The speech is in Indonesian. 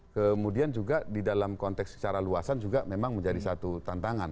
kemudian juga di dalam konteks secara luasan juga memang menjadi satu tantangan